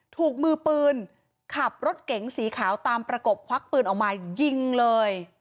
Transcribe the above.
ถูกมือปืนขับรถเก๋งสีขาวตามประกบควักปืนออกมายิงเลย